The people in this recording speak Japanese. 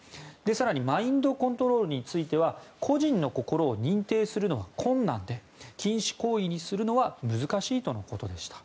更にマインドコントロールについては個人の心を認定するのが困難で禁止行為にするのは難しいとのことでした。